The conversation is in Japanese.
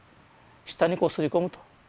舌にこうすり込むと。